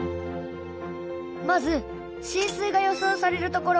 まず浸水が予想される所。